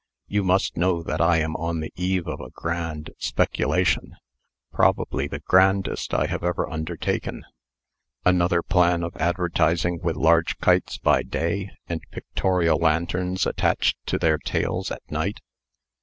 You must know that I am on the eve of a grand speculation probably the grandest I have ever undertaken." "Another plan of advertising with large kites by day, and pictorial lanterns attached to their tails at night?"